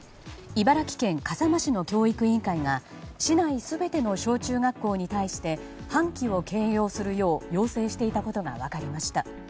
茨城県笠間市の教育委員会が市内全ての小中学校に対して半旗を掲揚するよう要請していたことが分かりました。